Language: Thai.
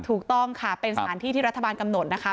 ถูกต้องค่ะเป็นสถานที่ที่รัฐบาลกำหนดนะคะ